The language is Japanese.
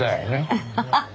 アッハハハ！